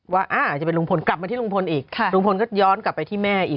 ว่าอาจจะเป็นลุงพลกลับมาที่ลุงพลอีกลุงพลก็ย้อนกลับไปที่แม่อีก